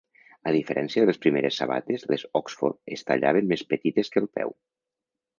A diferència de les primeres sabates, les Oxford es tallaven més petites que el peu.